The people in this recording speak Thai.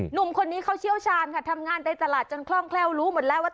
หนุ่มคนนี้เขาเชี่ยวชาญค่ะทำงานในตลาดจนคล่องแคล่วรู้หมดแล้วว่า